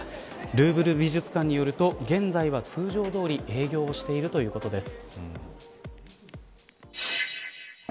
ルーブル美術館によると現在は通常どおり営業しているということです。